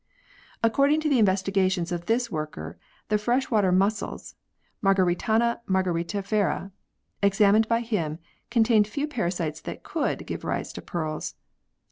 According to the investigations of this worker the fresh water mussels (Margaritana margariti/era) examined by him contained few parasites that could give rise to pearls.